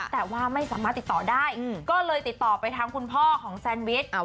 แต่ว่าไม่สามารถติดต่อได้ก็เลยติดต่อไปทางคุณพ่อของแซนวิช